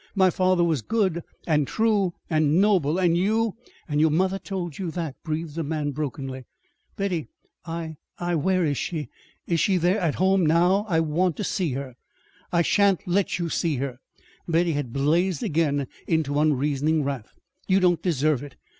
My father was good and true and noble and you " "And your mother told you that?" breathed the man, brokenly. "Betty, I I Where is she? Is she there at home now? I want to see her!" "I shan't let you see her." Betty had blazed again into unreasoning wrath. "You don't deserve it.